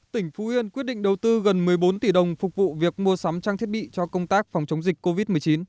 tỉnh phú yên quyết định đầu tư gần một mươi bốn tỷ đồng phục vụ việc mua sắm trang thiết bị cho công tác phòng chống dịch covid một mươi chín